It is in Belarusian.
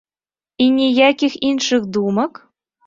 І ніякіх іншых думак?